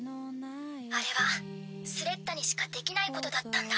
あれはスレッタにしかできないことだったんだ。